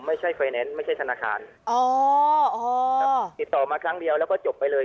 ไฟแนนซ์ไม่ใช่ธนาคารอ๋ออ๋อครับติดต่อมาครั้งเดียวแล้วก็จบไปเลย